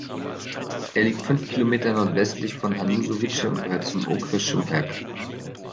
Er liegt fünf Kilometer nordwestlich von Hanušovice und gehört zum Okres Šumperk.